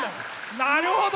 なるほど！